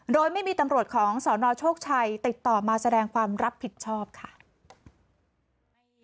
โดยไม่มีตำรวจของสนโชคชัยติดต่อมาแสดงความรับผิดชอบค่ะ